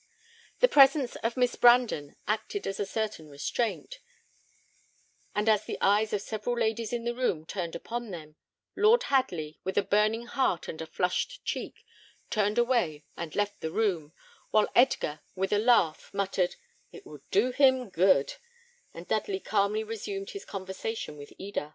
The presence of Miss Brandon acted as a certain restraint; and as the eyes of several ladies in the room turned upon them, Lord Hadley, with a burning heart and a flushed cheek, turned away and left the room, while Edgar, with a laugh, muttered, "It will do him good;" and Dudley calmly resumed his conversation with Eda.